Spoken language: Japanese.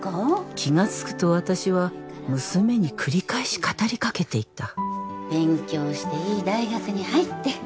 気がつくと私は娘に繰り返し語りかけていた勉強をしていい大学に入って